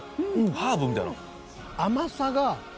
ハーブみたいな。